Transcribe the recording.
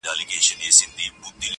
هر څوک له بل لرې دي,